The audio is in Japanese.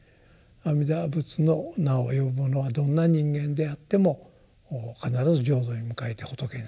阿弥陀仏の名を呼ぶものはどんな人間であっても必ず浄土に迎えて仏にすると。